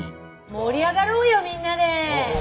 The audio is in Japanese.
盛り上がろうよみんなで。